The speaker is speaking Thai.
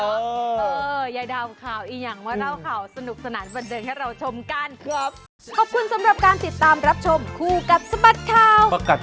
เออยายดาวข่าวอีกอย่างมาเล่าข่าวสนุกสนานบันเทิงให้เราชมกันครับ